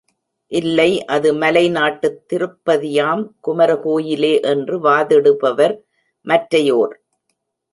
இல்லை அது மலைநாட்டுத் திருப்பதியாம் குமர கோயிலே என்று வாதிடுபவர் மற்றையோர்.